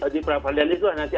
di pra peradilan itu nanti